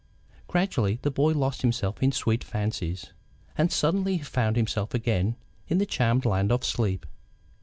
Gradually the boy lost himself in sweet fancies, and suddenly he found himself again, in the charmed land of sleep.